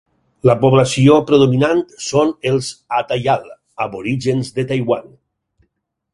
La població predominant són els atayal, aborígens de Taiwan.